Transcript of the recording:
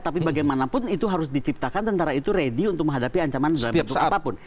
tapi bagaimanapun itu harus diciptakan tentara itu ready untuk menghadapi ancaman dalam bentuk apapun